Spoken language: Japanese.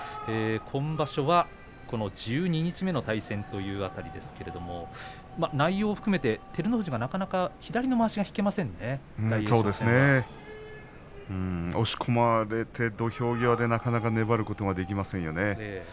今場所は十二日目の対戦ということですけれども内容を含めて照ノ富士がなかなか左のまわしが押し込まれて土俵際でなかなか粘ることができませんよね。